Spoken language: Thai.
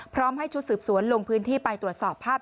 พร้อมให้ชุดสืบสวนลงพื้นที่ไปตรวจสอบภาพ